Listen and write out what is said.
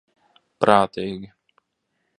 Prātīgi.